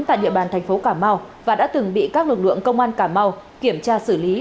tại địa bàn thành phố cà mau và đã từng bị các lực lượng công an cà mau kiểm tra xử lý